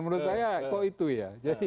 menurut saya kok itu ya